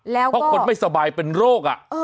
เพราะคนไม่สบายเป็นโรค